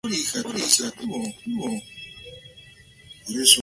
Finalmente Vincent le da la tablet a la máquina.